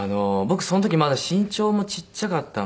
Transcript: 僕その時まだ身長もちっちゃかったので。